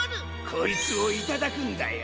こいつをいただくんだよ。